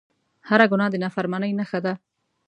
هر ګناه د نافرمانۍ نښه ده